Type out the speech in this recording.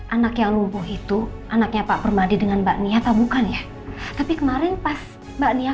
anak yang lubuh itu anaknya pak permadi dengan mbak nia atau bukan ya tapi kemarin pas mbak nia